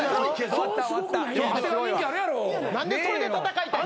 何でそれで戦いたい？